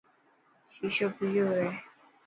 ششو پيو هي.